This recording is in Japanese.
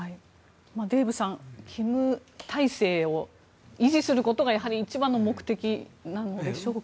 デーブさん金体制を維持することがやはり一番の目的なんでしょうか？